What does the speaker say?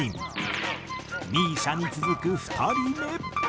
ＭＩＳＩＡに続く２人目。